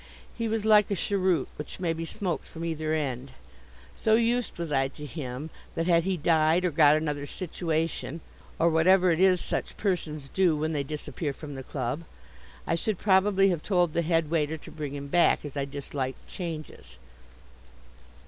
He was like a cheroot, which may be smoked from either end. So used was I to him that, had he died or got another situation (or whatever it is such persons do when they disappear from the club), I should probably have told the head waiter to bring him back, as I disliked changes.